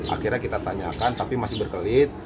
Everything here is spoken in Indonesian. akhirnya kita tanyakan tapi masih berkelit